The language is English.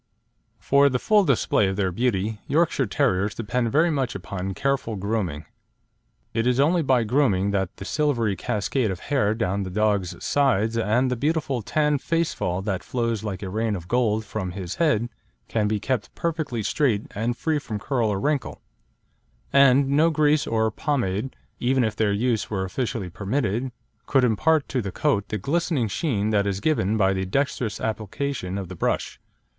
For the full display of their beauty, Yorkshire Terriers depend very much upon careful grooming. It is only by grooming that the silvery cascade of hair down the dog's sides and the beautiful tan face fall that flows like a rain of gold from his head can be kept perfectly straight and free from curl or wrinkle; and no grease or pomade, even if their use were officially permitted, could impart to the coat the glistening sheen that is given by the dexterous application of the brush.